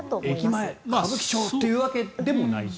駅前、歌舞伎町というわけでもないと。